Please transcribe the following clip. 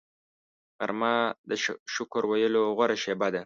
غرمه د شکر ویلو غوره شیبه ده